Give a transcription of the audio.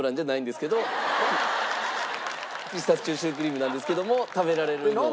ピスタチオシュークリームなんですけども食べられるのは。